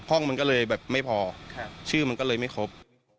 ห้องมันก็เลยแบบไม่พอชื่อมันก็เลยไม่ครบ